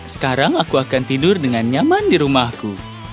sekarang aku akan tidur dengan nyaman dirumahku